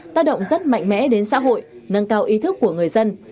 tác động rất mạnh mẽ đến xã hội nâng cao ý thức của người dân